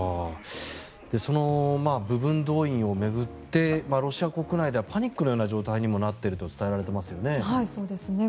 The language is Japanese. その部分動員を巡ってロシア国内ではパニックのような状態にもなっていると伝えられていますよね。